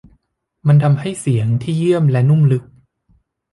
มันให้เสียงที่เยี่ยมและนุ่มลึก